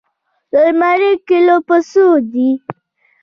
د مڼې کيلو په څو دی؟